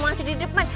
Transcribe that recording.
masih di depan